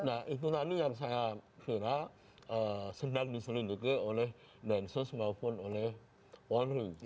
nah itu tadi yang saya kira sedang diselidiki oleh densus maupun oleh polri